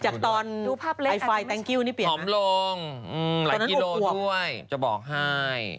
จากตอนดูภาพไอไฟแตงกิ้วนี่เปลี่ยนผอมลงหลายกิโลด้วยจะบอกให้